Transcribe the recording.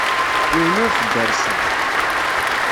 Yiwen ur t-derrseɣ.